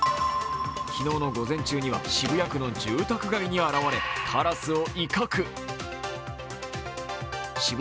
昨日の午前中には渋谷区の住宅街に現れからすを威嚇。